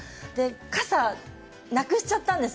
傘、なくしちゃったんです。